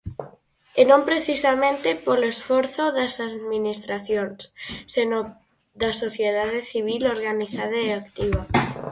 E non precisamente polo esforzo das administracións, senón da sociedade civil, organizada e activa.